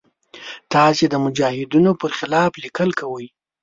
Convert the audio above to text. تاسې د مجاهدینو پر خلاف لیکل کوئ.